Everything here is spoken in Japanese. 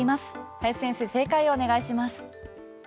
林先生、正解をお願いします。